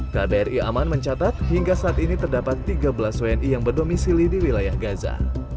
kbri aman mencatat hingga saat ini terdapat tiga belas wni yang berdomisili di wilayah gaza